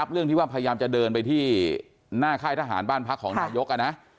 พยายามจะเดินไปที่หน้าค่ายทหารบ้านพรรคของนาโยก